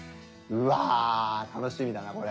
うわ楽しみだな